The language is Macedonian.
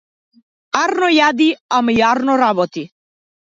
Арно јади, ама и арно работи.